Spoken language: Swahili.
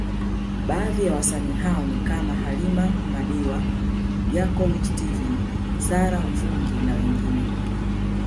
Baadhi ya wasanii hao ni kama Halima madiwa Jacob Steven Sara Mvungi na wengine